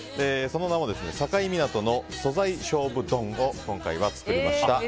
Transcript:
その名も境港の素材勝負丼を今回は作りました。